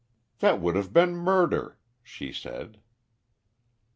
"That would have been murder," she said.